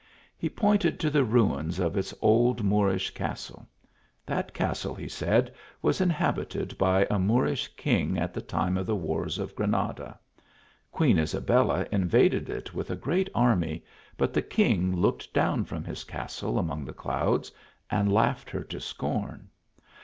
He pointed to the ru ms of its old Moorish castle. That castle, he said, was inhabited by a Moorish king at the time of the wars of Granada. Queen Isabella invaded it with a great army, but the king looked down from his cas tle among the clouds, and laughed her to scorn.